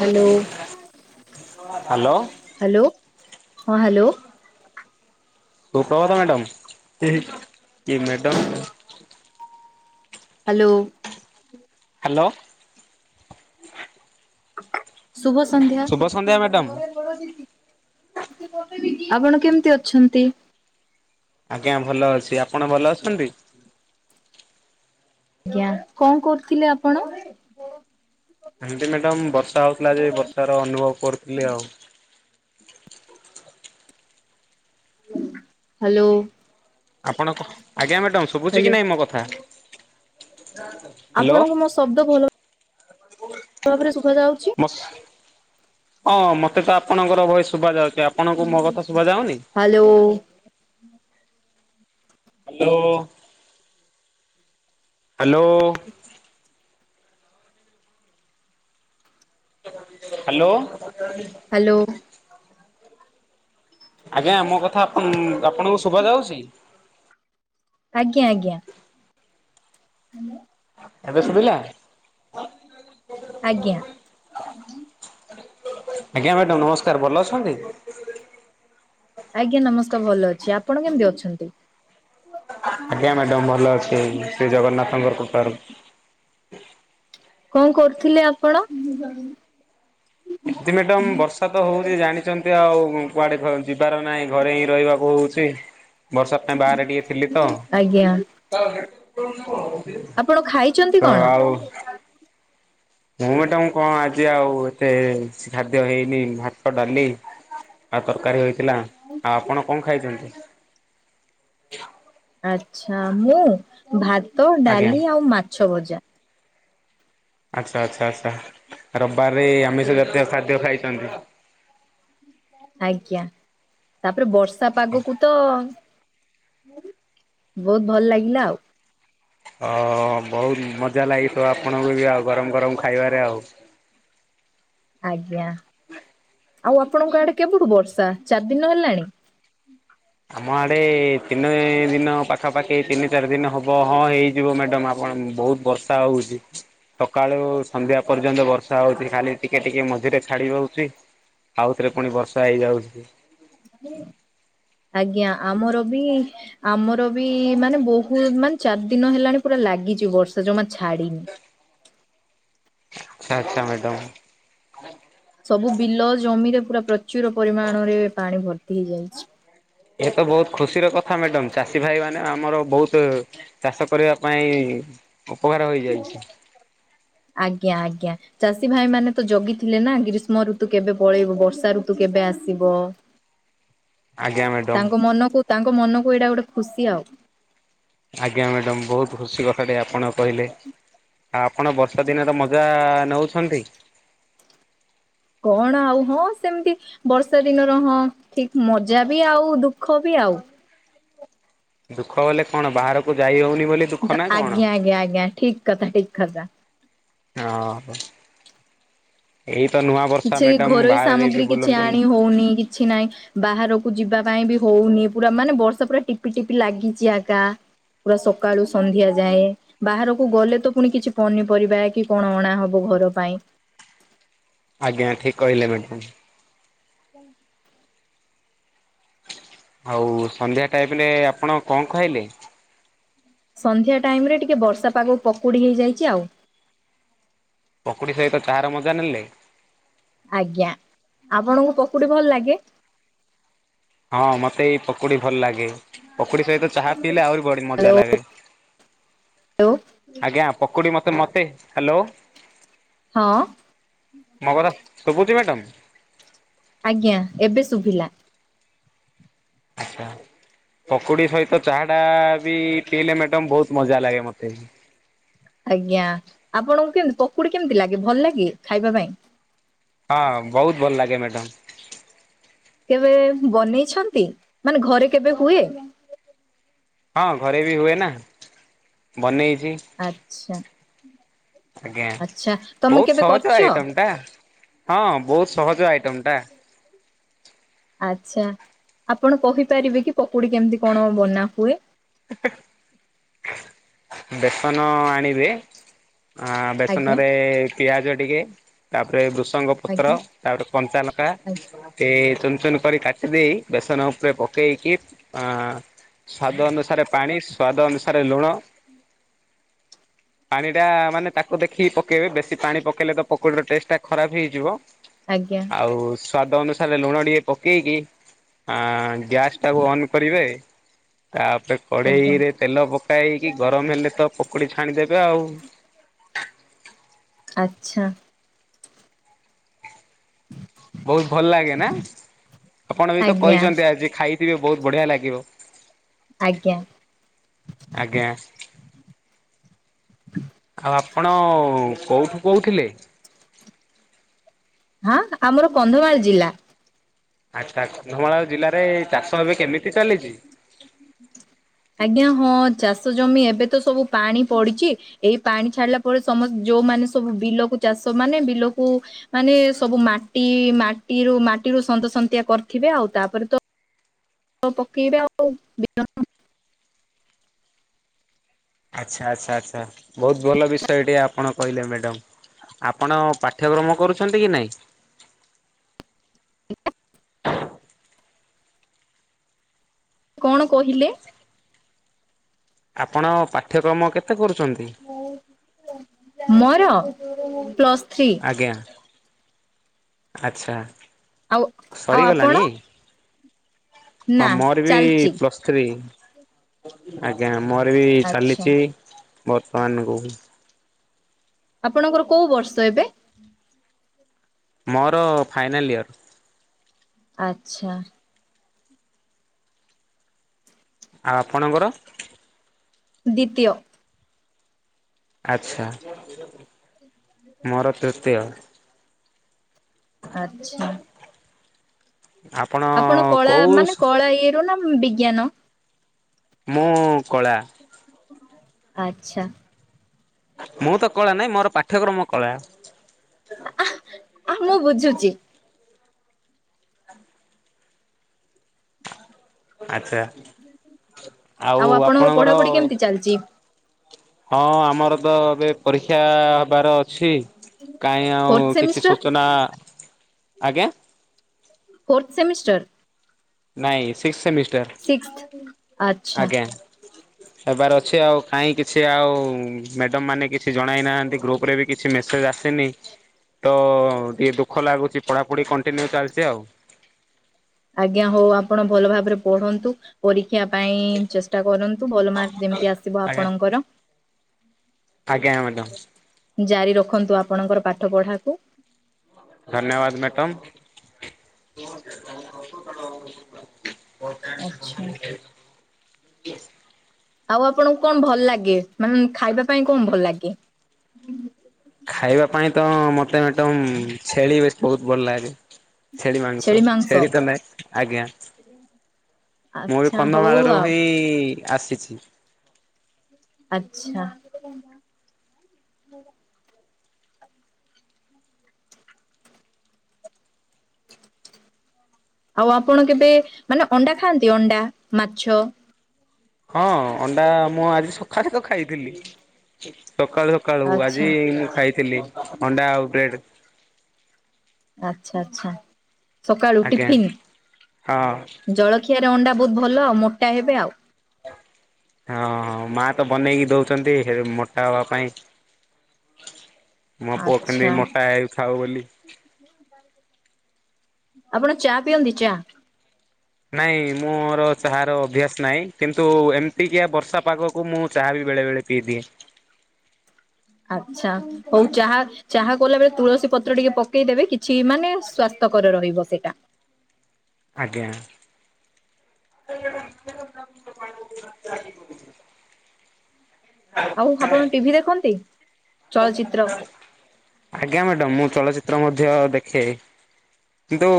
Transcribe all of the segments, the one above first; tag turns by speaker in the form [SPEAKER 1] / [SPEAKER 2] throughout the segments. [SPEAKER 1] Hello
[SPEAKER 2] hello.
[SPEAKER 1] Hello ହଁ hello.
[SPEAKER 2] ସୁ ପ୍ରଭାତ ମ୍ୟାଡାମ୍ ଏ ମ୍ୟାଡାମ୍।
[SPEAKER 1] ହ୍ୟାଲୋ।
[SPEAKER 2] ହ୍ୟାଲୋ।
[SPEAKER 1] ଶୁଭ ସନ୍ଧ୍ୟା।
[SPEAKER 2] ଶୁଭ ସନ୍ଧ୍ୟା ମ୍ୟାଡ଼ାମ।
[SPEAKER 1] ଆପଣ କେମ୍ତି ଅଛନ୍ତି।
[SPEAKER 2] ଆଜ୍ଞା ଭଲ ଅଛି ଆପଣ ଭଲ ଅଛନ୍ତି।
[SPEAKER 1] ଆଜ୍ଞା କଣ କରୁଥିଲେ ଆପଣ।
[SPEAKER 2] ଏମ୍ତି ମ୍ୟାଡାମ୍ ବର୍ଷା ହଉଥିଲା ଯେ ବର୍ଷା ର ଅନୁଭବ୍ କରୁଥିଲି ଆଉ।
[SPEAKER 1] ହ୍ୟାଲୋ।
[SPEAKER 2] ଆପଣ କ ଆଜ୍ଞା ମ୍ୟାଡାମ୍ ଶୁବୁଚି କି
[SPEAKER 1] ହାଲୋ
[SPEAKER 2] ନାଇଁ ମୋ କଥା।
[SPEAKER 1] ଆପଣଙ୍କୁ ମୋ ଶବ୍ଦ ଭଲ ଭାବରେ ଶୁଭା ଯାଉଛି?
[SPEAKER 2] ମସ୍। ହଁ ମତେ ତ ଆପଣଙ୍କର ଭୋଏସ୍ ଶୁବା ଯାଉଚି ଆପଣଙ୍କୁ ମୋ କଥା ଶୁଭା ଯାଉନି।
[SPEAKER 1] Hello.
[SPEAKER 2] Hello hello. Hello
[SPEAKER 1] hello.
[SPEAKER 2] ଆଜ୍ଞା ଆମ କଥା ଆପଣଙ୍କୁ ଶୁଭା ଯାଉଛି?
[SPEAKER 1] ଆଜ୍ଞା ଆଜ୍ଞା। ହାଲୋ।
[SPEAKER 2] ଏବେ ଶୁବିଲା
[SPEAKER 1] ଆଜ୍ଞା।
[SPEAKER 2] ଆଜ୍ଞା ମ୍ୟାଡାମ ନମସ୍କାର ଭଲ ଅଛନ୍ତି?
[SPEAKER 1] ଆଜ୍ଞା ନମସ୍କାର୍ ଭଲ ଅଛି ଆପଣ କେମ୍ତି ଅଛନ୍ତି।
[SPEAKER 2] ଆଜ୍ଞା ମ୍ୟାଡାମ୍ ଭଲ ଅଛି ଶ୍ରୀ ଜଗନ୍ନାଥଙ୍କର କୃପାରୁ।
[SPEAKER 1] କଣ କରୁଥିଲେ ଆପଣ ମୁଁ ଜାଣିନି।
[SPEAKER 2] ଏଠି ମ୍ୟାଡାମ୍ ବର୍ଷା ତ ହଉଚି ଜାଣି ଛନ୍ତି ଆଉ କୁଆଡେ ଯିବାର ନାହିଁ ଘରେ ହିଁ ରହିବାକୁ ହଉଛି। ବର୍ଷା ପାଇଁ ବାହାରେ ଟିକେ ଥିଲି ତ।
[SPEAKER 1] ଆଜ୍ଞା। ଆପଣ ଖାଇଛନ୍ତି
[SPEAKER 2] [inaudible] ତ
[SPEAKER 1] କଣ?
[SPEAKER 2] ଆଉ ମୁଁ ମେଟାମ୍ କଣ ଆଜି ଆଉ ଏତେ ଖାଦ୍ୟ ହେଇନି। ଭାତ, ଡାଲି ଆଉ ତରକାରୀ ହେଇଥିଲା। ଆଉ ଆପଣ କଣ ଖାଇଛନ୍ତି?
[SPEAKER 1] ଆଚ୍ଛା! ମୁଁ ଭାତ,
[SPEAKER 2] ଆଜ୍ଞା
[SPEAKER 1] ଡାଲି ଆଉ ମାଛ ଭଜା।
[SPEAKER 2] ଆଚ୍ଛା ଆଚ୍ଛା ଆଚ୍ଛା ରବାରେ ଆମିଷ ଜାତୀୟ ଖାଦ୍ୟ ଖାଇଛନ୍ତି।
[SPEAKER 1] ଆଜ୍ଞା! ତାପରେ ବର୍ଷା ପାଗକୁ ତ ବହୁତ ଭଲ ଲାଗିଲା ଆଉ।
[SPEAKER 2] ଅ ବହୁତ୍ ମଜା ଲାଗିଥିବ ଆପଣଙ୍କୁ ବି ଆଉ ଗରମ୍ ଗରମ୍ ଖାଇବାରେ ଆଉ।
[SPEAKER 1] ଆଜ୍ଞା! ଆଉ ଆପଣଙ୍କ ଆଡେ କେବଠୁ ବର୍ଷା ଚାରି ଦିନ ହେଲାଣି?
[SPEAKER 2] ଆମ ଆଡ଼େ ତିନି ଦିନ ପାଖାପାଖି ତିନି ଚାରି ଦିନ ହେବ ହଁ ହେଇଯିବ ମ୍ୟାଡ଼ମ୍ ଆପଣ ବହୁତ ବର୍ଷା ହଉଚି ସକାଳୁ ସନ୍ଧ୍ୟା ପର୍ଯ୍ୟନ୍ତ ବର୍ ବର୍ଷା ହଉଛି ଖାଲି ଟିକେ ଟିକେ ମଝିରେ ଛାଡି ଦଉଛି ଆଉଥରେ ପୁଣି ବର୍ଷା ହେଇଯାଉଛି।
[SPEAKER 1] ଆଜ୍ଞା ଆମର ବି ଆମର ବି ମାନେ ବୋହୁତ୍ ମାନେ ଚାର୍ ଦିନ୍ ହେଲାଣି ପୁରା ଲାଗିଚି ବର୍ଷା ଯମା ଛାଡିିନି।
[SPEAKER 2] [inaudible] ଆଚ୍ଛା ଆଚ୍ଛା ମ୍ୟାଡାମ୍।
[SPEAKER 1] ସବୁ ବିଲ ଜମିରେ ପୁରା ପ୍ରଚୁର ପରିମାଣରେ ପାଣି ଭର୍ତ୍ତି ହେଇଯାଇଛି।
[SPEAKER 2] ଏ ତ ବହୁତ୍ ଖୁସିର କଥା ମ୍ୟାଡମ୍ ଚାଷୀ ଭାଇ ମାନେ ଆମର ବହୁତ ଚାଷ। କରିବା ପାଇଁ ଉପକାର ହୋଇଯାଇଚି।
[SPEAKER 1] ଆଜ୍ଞା ଆଜ୍ଞା। ଚାଷୀ ଭାଇ ମାନେ ତ ଜଗିଥିଲେ ନା ଗ୍ରୀଷ୍ମ ଋତୁ କେବେ ପଳେଇବ ବର୍ଷା ଋତୁ କେବେ ଆସିବ।
[SPEAKER 2] ଆଜ୍ଞା ମ୍ୟାଡ଼ାମ।
[SPEAKER 1] ତାଙ୍କ ମନକୁ ତାଙ୍କ ମନକୁ ଏଇଟା ଗୋଟେ ଖୁସି ଆଉ।
[SPEAKER 2] ଆଜ୍ଞା ମ୍ୟାଡ଼ାମ୍! ବହୁତ୍ ଖୁସି କଥାଟେ ଆପଣ କହିଲେ ଆପ୍ ଆପଣ ବର୍ଷା ଦିନର ମଜା ନଉଛନ୍ତି?
[SPEAKER 1] କଣ ଆଉ? ହଁ ସେମ୍ତି। ବର୍ଷା ଦିନର ହଁ ଠିକ୍ ମଜା ବି ଆଉ ଦୁଃଖ ବି ଆଉ।
[SPEAKER 2] ଦୁଃଖ ବଲେ କଣ? ବାହାରକୁ ଯାଇହଉନି ବୋଲି ଦୁଃଖ ନା କଣ?
[SPEAKER 1] ଆଜ୍ଞା ଆଜ୍ଞା ଆଜ୍ଞା ଠିକ୍ କଥା ଠିକ୍ କଥା।
[SPEAKER 2] ହଁ ଏଇ ତ ନୂଆ ବର୍ଷା
[SPEAKER 1] କିଛି
[SPEAKER 2] ମ୍ୟାଡ଼ାମ୍
[SPEAKER 1] ଘରୋଇ
[SPEAKER 2] ବାହାରେ
[SPEAKER 1] ସାମଗ୍ରୀ
[SPEAKER 2] ଯାଇକି
[SPEAKER 1] କିଛି
[SPEAKER 2] ବୁଲନ୍ତୁନି।
[SPEAKER 1] ଆଣି ହଉନି କିଛି ନାହିଁ। ବାହାରକୁ ଯିବା ପାଇଁ ବି ହଉନି ପୁରା ମାନେ ବର୍ଷା ପୁରା ଟିପି ଟିପି ଲାଗିଛି ଆକା। ପୁରା ସକାଳୁ ସନ୍ଧ୍ୟା ଯାଏ। ବାହାରକୁ ଗଲେ ତ ପୁଣି କିଛି ପନିପରିବା କି କଣ ଅଣା ହବ ଘର ପାଇଁ
[SPEAKER 2] ଆଜ୍ଞା ଠିକ୍ କହିଲେ ମ୍ୟାଡ଼ାମ୍।
[SPEAKER 1] [inaudible]
[SPEAKER 2] ଆଉ ସନ୍ଧ୍ୟା ଟାଇପ୍ ନେ ଆପଣ କଣ ଖାଇଲେ?
[SPEAKER 1] ସନ୍ଧ୍ୟା ଟାଇମ୍ ରେ ଟିକେ ବର୍ଷା ପାଗକୁ ପକୁଡ଼ି ହେଇଯାଇଚି ଆଉ।
[SPEAKER 2] ପକୁଡ଼ି ସହିତ ଚାହାର ମଜା ନେଲେ?
[SPEAKER 1] ଆଜ୍ଞା! ଆପଣଙ୍କୁ ପକୁଡି ଭଲ ଲାଗେ?
[SPEAKER 2] ହଁ ମତେ ଏଇ ପକୁଡ଼ି ଭଲ୍ ଲାଗେ। ପକୁଡି ସହିତ ଚାହା ପିଇଲେ ଆହୁରି ବଡି ମଜା
[SPEAKER 1] ହ୍ୟାଲୋ
[SPEAKER 2] ଲାଗେ।
[SPEAKER 1] ହ୍ୟାଲୋ
[SPEAKER 2] ଆଜ୍ଞା ପକୁଡି ମତେ ମତେ ହ୍ୟାଲୋ।
[SPEAKER 1] ହଁ।
[SPEAKER 2] ମ କଥା ସୁଭୁଛି ମ୍ୟାଡ଼ାମ୍?
[SPEAKER 1] ଆଜ୍ଞା ଏବେ ଶୁଭିଲା।
[SPEAKER 2] ଆଚ୍ଛା। ପକୁଡି ସହିତ ଚାହା ଟା ବି ପିଇଲେ ମ୍ୟାଡ଼ମ ବହୁତ ମଜା ଲାଗେ ମତେ ବି
[SPEAKER 1] ଆଜ୍ଞା ଆପଣଙ୍କୁ କେମତି ପକୁଡି କେମିତି ଲାଗେ ଭଲ ଲାଗେ ଖାଇବା ପାଇଁ?
[SPEAKER 2] ହଁ ବହୁତ ଭଲ ଲାଗେ ମ୍ୟାଡ଼ମ୍।
[SPEAKER 1] କେବେ ବନେଇଛନ୍ତି, ମାନେ ଘରେ କେବେ ହୁଏ?
[SPEAKER 2] ହଁ ଘରେ ବି ହୁଏ ନା ବନେଇଛି।
[SPEAKER 1] ଆଚ୍ଛା
[SPEAKER 2] ଆଜ୍ଞା
[SPEAKER 1] ଆଚ୍ଛା ତମେ
[SPEAKER 2] ବହୁତ୍
[SPEAKER 1] କେବେ
[SPEAKER 2] ସହଜ
[SPEAKER 1] କରିଚ?
[SPEAKER 2] ଆଇଟମ ଟା। ହଁ ବହୁତ ସହଜ ଆଇଟମ ଟା।
[SPEAKER 1] ଆଚ୍ଛା ଆପଣ କହିପାରିବେ କି ପକୁଡି କେମିତି କଣ ବନା ହୁଏ?
[SPEAKER 2] ବେସନ ଆଣିବେ ଆ ବେସନ
[SPEAKER 1] ଆଜ୍ଞା
[SPEAKER 2] ରେ ପିଆଜ ଟିକେ ତାପରେ ବୃଷଙ୍ଗ
[SPEAKER 1] ଆଜ୍ଞା
[SPEAKER 2] ପତ୍ର ତାପରେ କଞ୍ଚାଲଙ୍କା
[SPEAKER 1] ଆଜ୍ଞା।
[SPEAKER 2] କେ ଚୁନ ଚୁନ କରି କାଟି ଦେଇ ବେସନ ଉପରେ ପକେଇକି ଆଁ ସ୍ଵାଦ ଅନୁସାରେ ପାଣି ସ୍ଵାଦ ଅନୁସାରେ ଲୁଣ ପାଣି ଟା ମାନେ ତାକୁ ଦେଖିକି ପକେଇବେ ବେଶୀ ପାଣି ପକେଇଲେ ତ ପକୋଡିର ଟେଷ୍ଟ ଟା ଖରାପ ହେଇଯିବ।
[SPEAKER 1] ଆଜ୍ଞା।
[SPEAKER 2] ଆଉ ସ୍ଵାଦ ଅନୁସାରେ ଲୁଣ ଟିକେ ପକେଇକି ଆ ଗ୍ୟାସ୍ ଟାକୁ ଅନ୍ କରିବେ ତାପରେ
[SPEAKER 1] ଆଜ୍ଞା
[SPEAKER 2] କଡ଼େଇରେ ତେଲ ପକାଇକି ମ ହେଲେ ତ ପକୁଡି ଛାଣିଦେବେ ଆଉ।
[SPEAKER 1] ଆଚ୍ଛା।
[SPEAKER 2] ବହୁତ ଭଲ ଲାଗେ ନା ଆପଣ ବି ତ
[SPEAKER 1] ଆଜ୍ଞା
[SPEAKER 2] କହିଛନ୍ତି ଆଜି ଖାଇଥିବେ ବହୁତ ବଢିଆ ଲାଗିବ।
[SPEAKER 1] ଆଜ୍ଞା।
[SPEAKER 2] ଆଜ୍ଞା ଆଉ ଆପଣ କୋଉଠୁ କହୁଥିଲେ?
[SPEAKER 1] ହଁ ଆମର କନ୍ଧମାଳ ଜିଲ୍ଲା।
[SPEAKER 2] ଆଚ୍ଛା କନ୍ଧମାଳ ଜିଲ୍ଲାରେ ଚାଷ ଏବେ କେମିତି ଚାଲିଛି?
[SPEAKER 1] ଆଜ୍ଞା ହଁ ଚାଷ ଜମି ଏବେ ତ ସବୁ ପାଣି ପଡିଚି ଏଇ ପାଣି ଛାଡିଲା ପରେ ସମ ଯୋଉମାନେ ସବୁ ବିଲକୁ ଚାଷ ମାନେ ବିଲକୁ ମାନେ ସବୁ ମାଟି ମାଟିରୁ ମାଟିରୁ ସନ୍ତସନ୍ତିଆ କରିଥିବେ ଆଉ ତାପରେ ତ ତ ପକେଇବେ ଆଉ ବିଲ
[SPEAKER 2] ଆଚ୍ଛା ଆଚ୍ଛା ଆଚ୍ଛା ବହୁତ ଭଲ ବିଷୟ ଟେ ଆପଣ କହିଲେ ମ୍ୟାଡ଼ମ। ଆପଣ ପାଠ୍ୟକ୍ରମ କରୁଛନ୍ତି କି ନାହିଁ?
[SPEAKER 1] କଣ କହିଲେ?
[SPEAKER 2] ଆପଣ ପାଠ୍ୟକ୍ରମ କେତେ କରୁଛନ୍ତି?
[SPEAKER 1] ମୋର ପ୍ଲସ୍ ଥ୍ରୀ।
[SPEAKER 2] ଆଜ୍ଞା ଆଚ୍ଛା।
[SPEAKER 1] ଆଉ ଆଉ
[SPEAKER 2] ସରିଗଲାଣି?
[SPEAKER 1] ଆପଣ
[SPEAKER 2] ହଁ
[SPEAKER 1] ନା
[SPEAKER 2] ମୋର ବି
[SPEAKER 1] ଚାଲିଚି
[SPEAKER 2] ପ୍ଲସ୍ ଥୀ ଆଜ୍ଞା ଆମର ବି
[SPEAKER 1] ଆଚ୍ଛା
[SPEAKER 2] ଚାଲିଛି ବର୍ତ୍ତମାନ କୁ
[SPEAKER 1] ଆପଣଙ୍କର କୋଉ ବର୍ଷେ ଏବେ।
[SPEAKER 2] ମୋର ଫାଇନାଲ୍ ଇୟର।
[SPEAKER 1] ଆଚ୍ଛା।
[SPEAKER 2] ଆ ଆପଣଙ୍କର?
[SPEAKER 1] ଦ୍ୱିତୀୟ।
[SPEAKER 2] ଆଚ୍ଛା ମୋର ତୃତୀୟ।
[SPEAKER 1] ଆଚ୍ଛା।
[SPEAKER 2] ଆପଣ
[SPEAKER 1] ଆପଣ କଳା
[SPEAKER 2] କୋଉ
[SPEAKER 1] ମାନେ କଳା ଇଏ ରୁ ନା ବିଜ୍ଞାନ?
[SPEAKER 2] ମୁଁ କଳା।
[SPEAKER 1] ଆଚ୍ଛା।
[SPEAKER 2] ମୁଁ ତ କଳା ନାଇଁ ମୋର ପାଠ୍ୟକ୍ରମ କଳା।
[SPEAKER 1] ଆହା ମୁଁ ବୁଝୁଛି।
[SPEAKER 2] ଆଚ୍ଛା ଆଉ ଆପଣଙ୍କର
[SPEAKER 1] ପଢାପଢି କେମିତି ଚାଲିଛି
[SPEAKER 2] ହଁ ଆମର ତ ଏବେ ପରୀକ୍ଷା ହବାର ଅଛି। କାଇଁ ଆଉ
[SPEAKER 1] ଫୋର୍ଥ
[SPEAKER 2] କିଛି
[SPEAKER 1] ସେମିଷ୍ଟର
[SPEAKER 2] ସୂଚନା ଆଜ୍ଞା
[SPEAKER 1] ଫୋର୍ଥ ସେମିଷ୍ଟର
[SPEAKER 2] ନାଇଁ ସିକ୍ସ ସେମିଷ୍ଟାର
[SPEAKER 1] ସିକ୍ସଥ ଆଚ୍ଛା
[SPEAKER 2] ଆଜ୍ଞା। ହେବାର ଅଛି ଆଉ କାଇ କିଛି ଆଉ ମ୍ୟାଡାମ୍ ମାନେ କିଛି ଜଣାଇନାହାନ୍ତି ଗ୍ରୁପ ରେ ବି। କିଛି ମେସେଜ ଆସିନି ତ ଟିକେ ଦୁଃଖ ଲାଗୁଛି ପଢ଼ାପଢ଼ି କଣ୍ଟିନ୍ୟୁ ଚାଲିଛି ଆଉ।
[SPEAKER 1] ଆଜ୍ଞା ହଉ ଆପଣ ଭଲ ଭାବରେ ପଢ଼ନ୍ତୁ। ପରୀକ୍ଷା ପାଇଁ ଚେଷ୍ଟା କରନ୍ତୁ ଭଲ ମାର୍କ ଯେମିତି ଆସିବ
[SPEAKER 2] ଆଜ୍ଞା
[SPEAKER 1] ଆପଣଙ୍କର
[SPEAKER 2] ଆଜ୍ଞା ମ୍ୟାଡ଼ାମ।
[SPEAKER 1] ଜାରି ରଖନ୍ତୁ ଆପଣଙ୍କର ପାଠ ପଢ଼ାକୁ।
[SPEAKER 2] ଧନ୍ୟବାଦ ମ୍ୟାଟମ୍। [inaudible]
[SPEAKER 1] ଆଚ୍ଛା। ଆଉ ଆପଣଙ୍କୁ କଣ ଭଲ ଲାଗେ ମାନେ ଖାଇବା ପାଇଁ କଣ ଭଲ ଲାଗେ?
[SPEAKER 2] ଖାଇବା ପାଇଁ ତ ମତେ ମ୍ୟାଡାମ୍ ଛେଳି ବେଶ ବହୁତ ଭଲ ଲାଗେ। ଛେଳି ମାଂସ ଛେଳି ତ ନାଇଁ ଆଜ୍ଞା। ମୁଁ ବି
[SPEAKER 1] ଆଚ୍ଛା ହଉ
[SPEAKER 2] କନ୍ଧମାଳରୁ
[SPEAKER 1] ଆଉ
[SPEAKER 2] ହିଁ ଆସିଛି।
[SPEAKER 1] ଆଚ୍ଛା। ଆଉ ଆପଣ କେବେ ମାନେ ଅଣ୍ଡା ଖାଆନ୍ତି ଅଣ୍ଡା ମାଛ
[SPEAKER 2] ହଁ ଅଣ୍ଡା ମୁଁ ଆଜି ସକାଳେ ତ ଖାଇଥିଲି ସକାଳୁ ସକାଳୁ ଆଜି
[SPEAKER 1] ଆଚ୍ଛା।
[SPEAKER 2] ମୁଁ ଖାଇଥିଲି ଅଣ୍ଡା ଆଉ ବ୍ରେଡ଼।
[SPEAKER 1] ଆଚ୍ଛା ଆଚ୍ଛା ସକାଳୁ
[SPEAKER 2] ଆଜ୍ଞା
[SPEAKER 1] ଟିଫିନ୍
[SPEAKER 2] ହଁ
[SPEAKER 1] ଜଳ ଖିଆରେ ଅଣ୍ଡା ବହୁତ ଭଲ ଆଉ ମୋଟା ହେବେ ଆଉ।
[SPEAKER 2] ହଁ ମା ତ ବନେଇକି ଦଉଛନ୍ତି ହେ ମୋଟା ହବା ପାଇଁ
[SPEAKER 1] [inaudible]
[SPEAKER 2] ମୋ ପୁଅ କେମତି
[SPEAKER 1] ଆଚ୍ଛା
[SPEAKER 2] ମୋଟା ହେଇଥାଉ ବୋଲି।
[SPEAKER 1] ଆପଣ ଚା ପିଅନ୍ତି ଚା?
[SPEAKER 2] ନାଇଁ ମୋର ଚାହାର ଅଭ୍ୟାସ ନାହିଁ। କିନ୍ତୁ ଏମିତିକିଏ ବର୍ଷା ପାଗକୁ ମୁଁ ଚାହା ବି ବେଳେ ବେଳେ ପିଇଦିଏ।
[SPEAKER 1] ଆଛା ହଉ ଚାହା ଚାହା କଲା ବେଳେ ତୁଳସୀ ପତ୍ର ଟିକେ ପକେଇଦେବେ କିଛି ମାନେ ସ୍ଵାସ୍ଥକର ରହିବ ସେଇଟା।
[SPEAKER 2] ଆଜ୍ଞା। [inaudible]
[SPEAKER 1] ଆଉ ଆପଣ ଟିଭିି ଦେଖନ୍ତି?
[SPEAKER 2] [inaudible]
[SPEAKER 1] ଚଳଚିତ୍ର
[SPEAKER 2] ଆଜ୍ଞା ମ୍ୟାଡାମ୍ ମୁଁ ଚଳଚିତ୍ର ମଧ୍ୟ ଦେଖେ କିନ୍ତୁ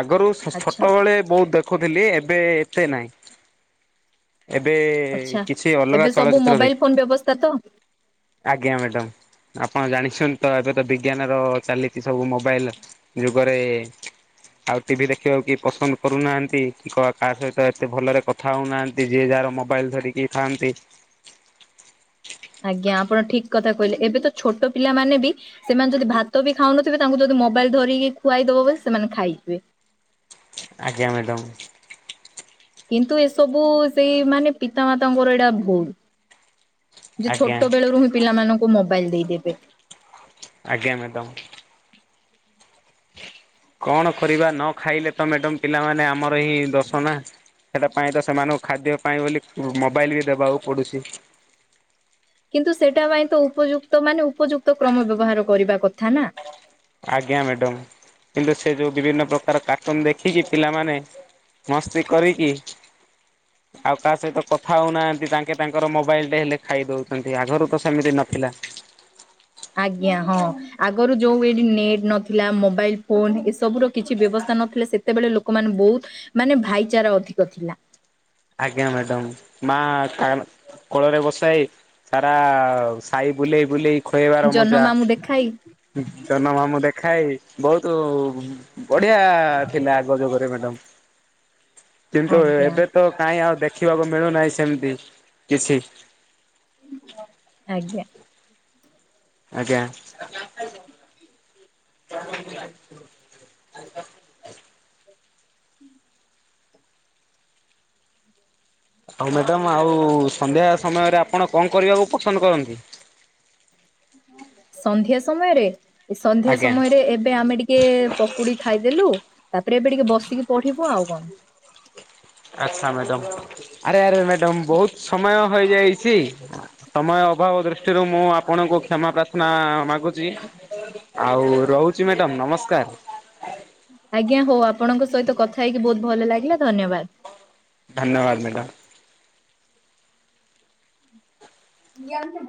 [SPEAKER 2] ଆ ଗରୁ
[SPEAKER 1] ଆଚ୍ଛା
[SPEAKER 2] ଛୋଟବେଳେ ବହୁତ ଦେଖୁଥିଲି ଏବେ ଏତେ ନାହିଁ। ଏବେ
[SPEAKER 1] ଆଚ୍ଛା।
[SPEAKER 2] କିଛି ଅଲଗା
[SPEAKER 1] ଏବେ ସବୁ
[SPEAKER 2] ଚଳଚିତ୍ର
[SPEAKER 1] ମୋବାଇଲ
[SPEAKER 2] ଦେଖ
[SPEAKER 1] ଫୋନ ବ୍ୟବସ୍ଥା ତ
[SPEAKER 2] ଆଜ୍ଞା ମ୍ୟାଡ଼ାମ। ଆପଣ ଜାଣିଛନ୍ତିତ ଏବେ ତ ବିଜ୍ଞାନ ର ଚାଲିଛି ସବୁ ମୋବାଇଲ। ଯୁଗରେ ଆଉ ଟିଭି ଦେଖିବାକୁ କି ପସନ୍ଦ କରୁନାହାନ୍ତି କି କାହା ସହିତ ଏତେ ଭଲରେ କଥା ହଉନାହାନ୍ତି। ଯିଏ ଯାହାର ମୋବାଇଲ ଧରିକି ଥାଆନ୍ତି।
[SPEAKER 1] ଆଜ୍ଞା ଆପଣ ଠିକ୍ କଥା କହିଲେ ଏବେ ତ ଛୋଟ ପିଲାମାନେ ବି ସେମାନେ ଯଦି ଭାତ ବି ଖାଉନଥିବେ ତାଙ୍କୁ ଯଦି ମୋବାଇଲ ଧରିକି ଖୁଆଇ ଦବ ବୋଲି ସେମାନେ ଖାଇଥିବେ।
[SPEAKER 2] ଆଜ୍ଞା ମ୍ୟାଡ଼ାମ।
[SPEAKER 1] କିନ୍ତୁ ଏସବୁ ସେଇ ମାନେ ପିତା ମାତାଙ୍କର ଏଇଟା ଭୁଲ। ଯେ
[SPEAKER 2] ଆଜ୍ଞା
[SPEAKER 1] ଛୋଟ ବେଳୁ ହିଁ ପିଲାମାନଙ୍କୁ ମୋବାଇଲ ଦେଇଦେବେ।
[SPEAKER 2] ଆଜ୍ଞା ମାଡାମ୍। କଣ କରିବା ନ ଖାଇଲେ ତ ମ୍ୟାଡମ୍ ପିଲାମାନେ ଆମର ହିଁ ଦୋଶୋ ନା। ସେଟାପାଇ ତ ସେମାନଙ୍କୁ ଖାଦ୍ୟ ପାଇଁ ବୋଲି ମୋବାଇଲ୍ ବି ଦେବାକୁ ପଡ଼ୁଛି।
[SPEAKER 1] କିନ୍ତୁ ସେଟା ପାଇଁ ତ ଉପଯୁକ୍ତ ମାନେ ଉପଯୁକ୍ତ କ୍ରମ ବ୍ୟବହାର କରିବା କଥା ନା।
[SPEAKER 2] ଆଜ୍ଞା ମ୍ୟାଡ଼ମ୍ କିନ୍ତୁ ସେ ଯେଉଁ ବିଭିନ୍ନ ପ୍ରକାର କାର୍ଟୁନ ଦେଖିକି ପିଲାମାନେ ମସ୍ତି କରିକି
[SPEAKER 1] [unintelligible]
[SPEAKER 2] ଆଉ କାହା ସହିତ କଥା ହଉନାହାନ୍ତି ତାଙ୍କେ ତାଙ୍କର ମୋବାଇଲ ଟେ ହେଲେ ଖାଇ ଦଉଛନ୍ତି ଆଗରୁ ତ ସେମିତି ନଥିଲା।
[SPEAKER 1] ଆଜ୍ଞା ହଁ ଆଗରୁ ଯୋଉ ଏଠି ନେଟ୍ ନଥିଲା ମୋବାଇଲ ଫୋନ ଏସବୁ ର କିଛି ବ୍ୟବସ୍ଥା ନଥିଲେ ସେତେବେଳେ ଲୋକମାନେ ବହୁତ ମାନେ ଭାଇଚାରା ଅଧିକ ଥିଲା।
[SPEAKER 2] ଆଜ୍ଞା ମ୍ୟାଡ଼ାମ୍ ମା [unintelligible] କୋଳରେ ବସାାଇ ସାରା ସାହି ବୁଲେଇ ବୁଲେଇ ଖୋଇବାର ମଜା
[SPEAKER 1] ଜହ୍ନମାମୁଁ ଦେଖାଇ
[SPEAKER 2] ଜହ୍ନମାମୁଁ ଦେଖାଏ ବହୁତ ବଢିଆ ଥିଲା ଆଗ ଯୁଗରେ ମ୍ୟାଡ଼ାମ। କିନ୍ତୁ
[SPEAKER 1] ଆଜ୍ଞା
[SPEAKER 2] ଏବେ ତ କାହିଁ ଆଉ ଦେଖିବାକୁ ମିଳୁନାହିଁ ସେମିତି କିଛି
[SPEAKER 1] ଆଜ୍ଞା।
[SPEAKER 2] ଆଜ୍ଞା। [inaudible]
[SPEAKER 1] ହୁଁ।
[SPEAKER 2] ଆଉ ମ୍ୟାଡ଼ାମ ଆଉ ସନ୍ଧ୍ୟା ସମୟରେ ଆପଣ କଣ କରିବାକୁ ପସନ୍ଦ କରନ୍ତି?
[SPEAKER 1] ସନ୍ଧ୍ୟା ସମୟରେ ଏ ସନ୍ଧ୍ୟା
[SPEAKER 2] ଆଜ୍ଞା
[SPEAKER 1] ସମୟରେ ଏବେ ଆମେ ଟିକେ ଟିକେ ପକୁଡି ଖାଇଦେଲୁ ତାପରେ ଏବେ ଟିକେ ବସିକି ପଢିବୁ ଆଉ କଣ।
[SPEAKER 2] ଆଚ୍ଛା ମ୍ୟାଡ଼ମ୍ ଆରେ ଆରେ ମ୍ୟାଡ଼ମ୍ ବହୁତ ସମୟ ହେଇଯାଇଛି। ସମୟ ଅଭାବ ଦୃଷ୍ଟିରୁ ମୁଁ ଆପଣଙ୍କୁ କ୍ଷମା ପ୍ରାର୍ଥନା ମାଗୁଛି ଆଉ ରହୁଛି ମ୍ୟାଡ଼ାମ ନମସ୍କାର।
[SPEAKER 1] ଆଜ୍ଞା ହଉ ଆପଣଙ୍କ ସହିତ କଥା ହେଇକି ବହୁତ ଭଲ ଲାଗିଲା ଧନ୍ୟବାଦ।
[SPEAKER 2] ଧନ୍ୟବାଦ ମ୍ୟାଡ଼ାମ୍।
[SPEAKER 1] [inaudible]